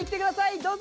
どうぞ！